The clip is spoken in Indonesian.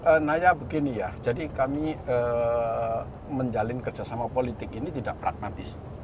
sebenarnya begini ya jadi kami menjalin kerjasama politik ini tidak pragmatis